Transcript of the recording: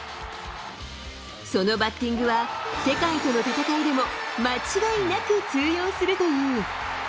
そのバッティングは、世界との戦いでも間違いなく通用するという。